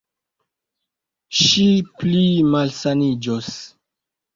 Ŝi pli malsaniĝos.